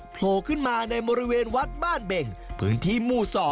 โผล่ขึ้นมาในบริเวณวัดบ้านเบ่งพื้นที่หมู่๒